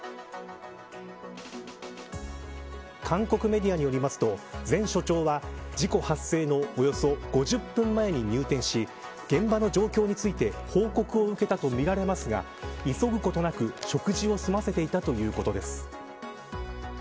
韓国メディアによりますと前署長は事故発生のおよそ５０分前に入店し現場の状況について報告を受けたとみられますが急ぐことなく食事を済ませていたということです。